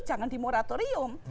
jangan di moratorium